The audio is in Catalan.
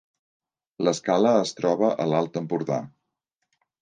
l’Escala es troba a l’Alt Empordà